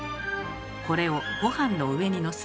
これをごはんの上にのせ。